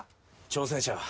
挑戦者は。